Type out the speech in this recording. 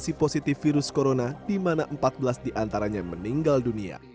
masih positif virus corona di mana empat belas diantaranya meninggal dunia